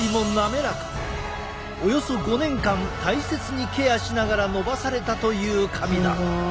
およそ５年間大切にケアしながら伸ばされたという髪だ。